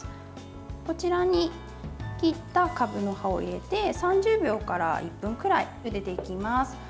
こちらに切ったかぶの葉を入れて３０秒から１分くらいゆでていきます。